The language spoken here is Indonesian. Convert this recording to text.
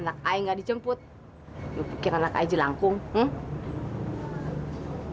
sampai jumpa di video selanjutnya